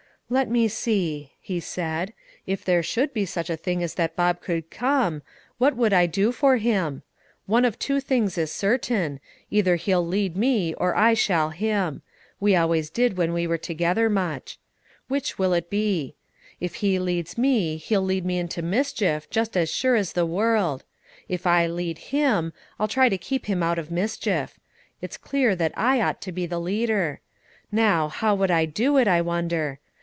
"Let me see," he said; "if there should be such a thing as that Bob could come, what would I do for him? One of two things is certain, either he'll lead me or I shall him; we always did when we were together much. Which will it be? If he leads me, he'll lead me into mischief, just as sure as the world; if I lead him, I'll try to keep him out of mischief. It's clear that I ought to be the leader. Now, how would I do it, I wonder?